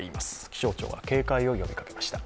気象庁は警戒を呼びかけました。